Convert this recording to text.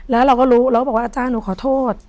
แล้วเราก็รู้เราก็บอกว่าอาจารย์หนูขอโทษ